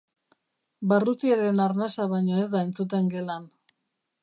Barrutiaren arnasa baino ez da entzuten gelan.